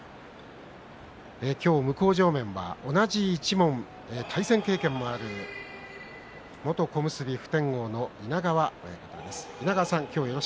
今日、向正面は同じ一門対戦経験もある元小結普天王の稲川親方です。